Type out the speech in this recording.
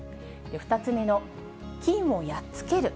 ２つ目の菌をやっつける。